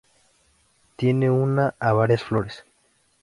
Tiene una a varias flores.